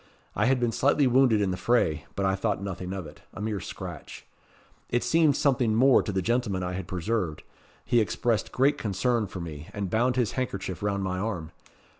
I had been slightly wounded in the fray; but I thought nothing of it a mere scratch. It seemed something more to the gentleman I had preserved. He expressed great concern for me, and bound his handkerchief round my arm.